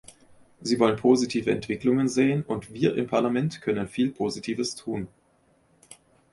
Sie wollen positive Entwicklungen sehen, und wir im Parlament können viel Positives tun.